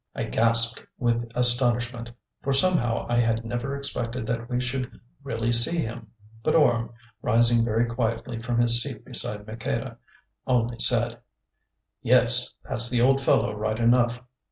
I gasped with astonishment, for somehow I had never expected that we should really see him, but Orme, rising very quietly from his seat beside Maqueda, only said: "Yes, that's the old fellow right enough.